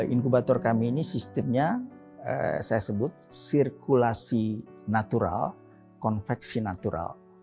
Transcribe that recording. inkubator kami ini sistemnya saya sebut sirkulasi natural konveksi natural